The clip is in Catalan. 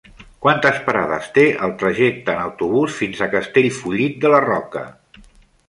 Quantes parades té el trajecte en autobús fins a Castellfollit de la Roca?